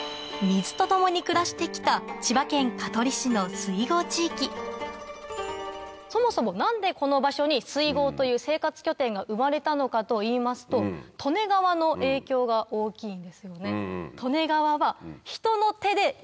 水と共に暮らして来た千葉県香取市の水郷地域そもそも何でこの場所に水郷という生活拠点が生まれたのかといいますと。が大きいんですよね。